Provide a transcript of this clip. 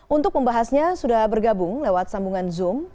untuk membahasnya sudah bergabung lewat sambungan zoom